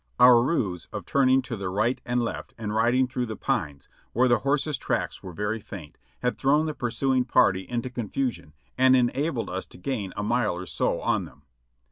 Our ruse of turning to the right and left and riding through the pines, where the horses' tracks were very faint, had thrown the pursuing party into confusion and enabled us to gain a mile or so on them.